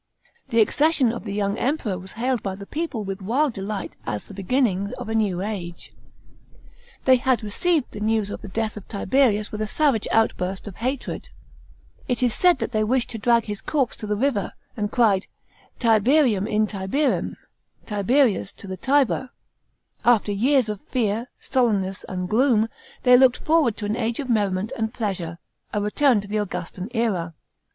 § 2. The accession of the young Emperor was hailed by the people with wild delight as the beginning of a new age. They had * His official title was C. Caesar Augustas Gernmnicus. 216 THE PRINCIPATE OF GAIUS. CHAP. xiv. received the news of the death of Tiberius with a savage outburst of hatred. It is said that they wished to drag his corpse to the river, and cried Tiberium in Tiberim, " Tiberius to the Tiber !" After years of fear, sullenness, and gloom, they looked forward to an age of merriment and pleasure — a return of the Augustan era.